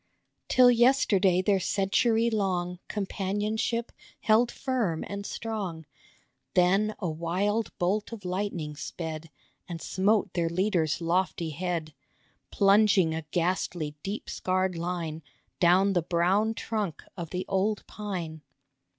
Till yesterday their century long Companionship held firm and strong, Then a wild bolt of lightning sped And smote their leader's lofty head, Plunging a ghastly deep scarred line Down the brown trunk of the old pine.